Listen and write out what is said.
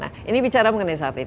nah ini bicara mengenai satelit